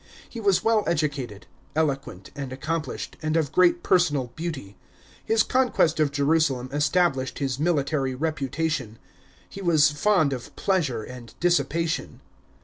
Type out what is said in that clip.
He was well educated, eloquent, aud accomplished, and of great personal beauty. His conquest of Jerusalem established his military reputation. He was fond of pleasure and dissipation.